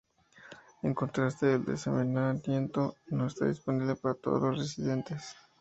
En contraste, el de saneamiento no está disponible para todos los residentes.